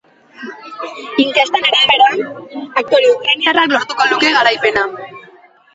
Inkesten arabera, aktore ukraniarrak lortuko luke garaipena.